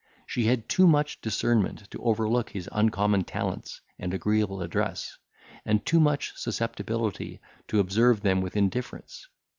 She had too much discernment to overlook his uncommon talents and agreeable address, and too much susceptibility to observe them with indifference.